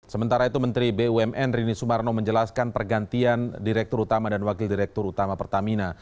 sementara itu menteri bumn rini sumarno menjelaskan pergantian direktur utama dan wakil direktur utama pertamina